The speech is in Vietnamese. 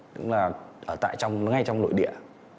tức là ở ngay trong nội địa